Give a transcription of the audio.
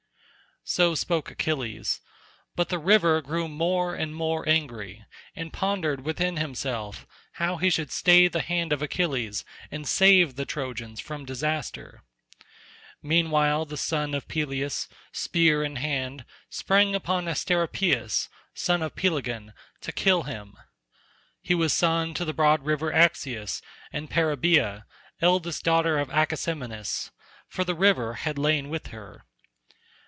So spoke Achilles, but the river grew more and more angry, and pondered within himself how he should stay the hand of Achilles and save the Trojans from disaster. Meanwhile the son of Peleus, spear in hand, sprang upon Asteropaeus son of Pelegon to kill him. He was son to the broad river Axius and Periboea eldest daughter of Acessamenus; for the river had lain with her.